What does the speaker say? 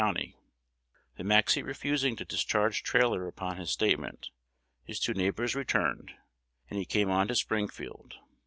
County; That Maxcy refusing to discharge Trailor upon his statement, his two neighbors returned, and he came on to Springfield.